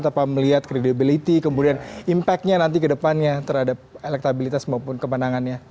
tanpa melihat credibility kemudian impactnya nanti ke depannya terhadap elektabilitas maupun kemenangannya